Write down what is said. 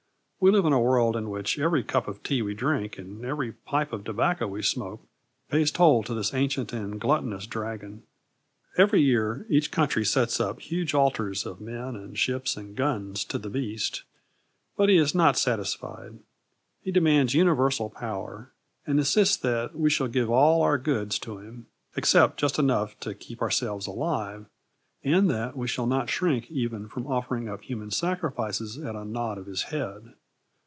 We live in a world in which every cup of tea we drink and every pipe of tobacco we smoke pays toll to this ancient and gluttonous dragon. Every year each country sets up huge altars of men and ships and guns to the beast, but he is not satisfied. He demands universal power, and insists that we shall give all our goods to him except just enough to keep ourselves alive and that we shall not shrink even from offering up human sacrifices at a nod of his head.